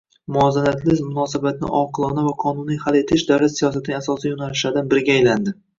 Muvozanatli munosabatni oqilona va qonuniy hal etish davlat siyosatining asosiy yoʻnalishlaridan biriga aylandi.